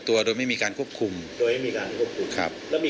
หากผู้ต้องหารายใดเป็นผู้กระทำจะแจ้งข้อหาเพื่อสรุปสำนวนต่อพนักงานอายการจังหวัดกรสินต่อไป